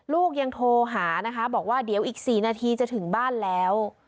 ลูกยังโทรหานะคะบอกว่าเดี๋ยวอีก๔นาทีจะถึงบ้านแล้ว